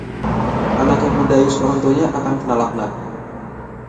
anak yang mendayus orang tuanya akan kena laknat